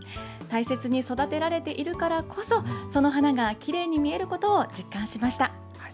大切に育てられているからこそ、その花がきれいに見えることを実感しました。